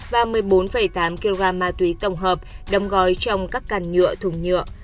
và một mươi bốn tám kg ma túy tổng hợp đồng gói trong các càn nhựa thùng nhựa